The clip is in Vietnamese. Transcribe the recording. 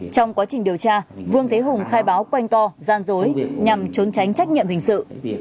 trong quá trình điều tra vương thế hùng khai báo quanh co gian dối nhằm trốn tránh trách nhiệm hình sự